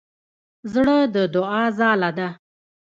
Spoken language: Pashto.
زړه د دوعا ځاله ده.